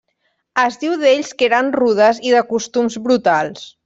Es diu d'ells que eren rudes i de costums brutals.